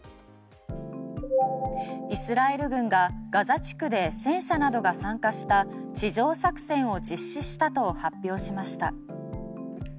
イスラエル軍がガザ地区で戦車などが参加した地上作戦を実施したと発表しました。